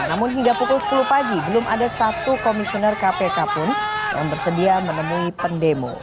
namun hingga pukul sepuluh pagi belum ada satu komisioner kpk pun yang bersedia menemui pendemo